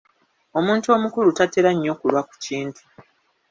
Omuntu omukulu tatera nnyo kulwa ku kintu.